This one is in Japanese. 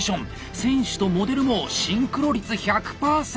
選手とモデルもシンクロ率１００％！